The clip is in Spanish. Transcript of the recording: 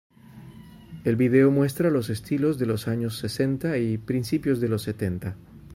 El video muestra los estilos de los años sesenta y principios de los setenta.